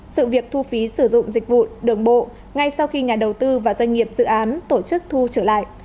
sự việc thu phí sử dụng dịch vụ đường bộ ngay sau khi nhà đầu tư và doanh nghiệp dự án tổ chức thu trở lại